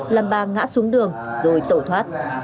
làm bà ngã xuống đường rồi tổ thoát